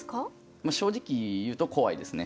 まあ正直言うと怖いですね。